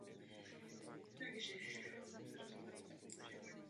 Nachází se zde kostel a hřbitov.